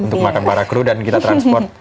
untuk makan para kru dan kita transport